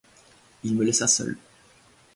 Il me laissa seul.